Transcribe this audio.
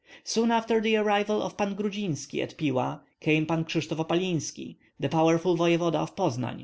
Soon after the arrival of Pan Grudzinski at Pila came Pan Kryshtof Opalinski, the powerful voevoda of Poznan.